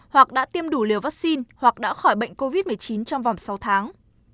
hoặc đã tiêm đủ liều vaccine hoặc đã khỏi bệnh covid một mươi chín trong vòng sáu tháng